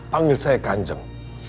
panggil saya kanjeng